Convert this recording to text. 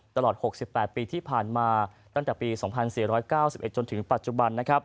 ตลอด๖๘ปีที่ผ่านมาตั้งแต่ปี๒๔๙๑จนถึงปัจจุบัน